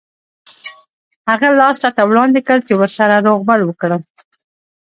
هغه لاس راته وړاندې کړ چې ورسره روغبړ وکړم.